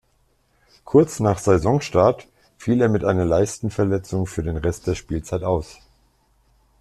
Kurz nach Saisonstart fiel er mit einer Leistenverletzung für den Rest der Spielzeit aus.